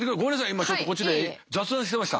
今ちょっとこっちで雑談してました。